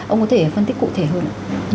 ông có thể phân tích cụ thể hơn ạ